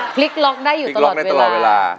พลิกล็อกได้อยู่ตลอดเวลา